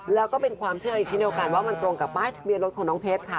แล้วก็เป็นความเชื่ออีกชิ้นเดียวกันว่ามันตรงกับป้ายทะเบียนรถของน้องเพชรค่ะ